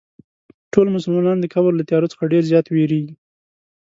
ټول مسلمانان د قبر له تیارو څخه ډېر زیات وېرېږي.